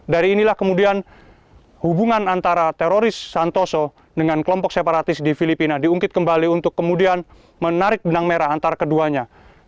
dari inilah kemudian hubungan antara teroris santoso dengan kelompok separatis di filipina diungkit kembali untuk kemudian menarik benang merah antara keduanya